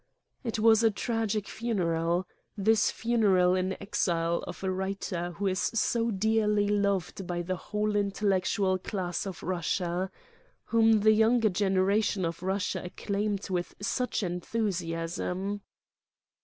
"It was a tragic funeral, this funeral in exile, of a writer who is so dearly loved by the whole intellectual class of Russia; whom the younger generation of Russia acclaimed with such enthu siasm.